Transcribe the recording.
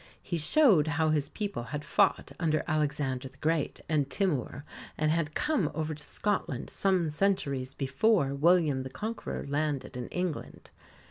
He showed how his people had fought under Alexander the Great and Timour, and had come over to Scotland some centuries before William the Conqueror landed in England.